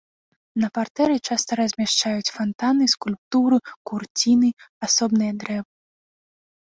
На партэры часта размяшчаюць фантаны, скульптуру, курціны, асобныя дрэвы.